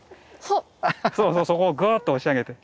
そうそうそこをぐっと押し上げて。